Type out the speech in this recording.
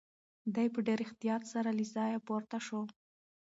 دی په ډېر احتیاط سره له ځایه پورته شو.